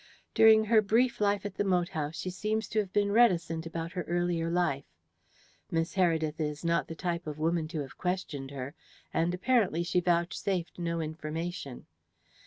During her brief life at the moat house she seems to have been reticent about her earlier life. Miss Heredith is not the type of woman to have questioned her, and, apparently, she vouchsafed no information.